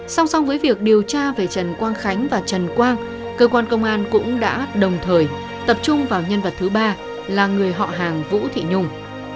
song song với việc điều tra về trần quang khánh và trần quang cơ quan công an cũng đã đồng thời tập trung vào nhân vật thứ ba là người họ hàng vũ thị nhung